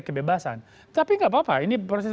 kebebasan tapi gapapa ini proses